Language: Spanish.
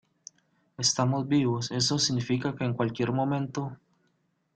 estamos vivos. eso significa que, en cualquier momento ,